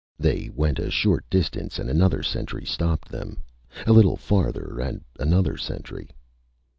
They went a short distance and another sentry stopped them. A little farther, and another sentry.